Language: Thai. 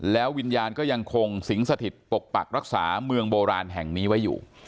แล้ววิญญาณก็ยังคงสิงสถิตปกปักรักษาเมืองโบราณแห่งนี้ไว้อยู่